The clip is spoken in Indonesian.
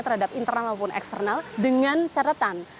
terhadap internal maupun eksternal dengan catatan